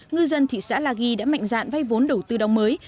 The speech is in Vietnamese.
ngư dân thị xã la di đã mạnh dạn vay vốn đầu tư đông mới